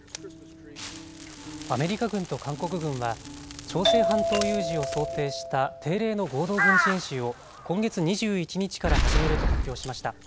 アメリカ軍と韓国軍は朝鮮半島有事を想定した定例の合同軍事演習を今月２１日から始めると発表しました。